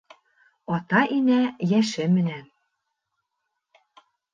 Ата-инә йәше менән